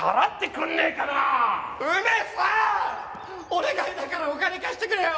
お願いだからお金貸してくれよ！